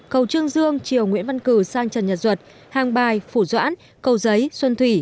cầu trương dương chiều nguyễn văn cử sang trần nhật duật hàng bài phủ doãn cầu giấy xuân thủy